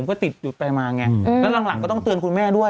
ก็ติดหยุดไปมาไงแล้วหลังก็ต้องเตือนคุณแม่ด้วย